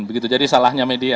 begitu jadi salahnya media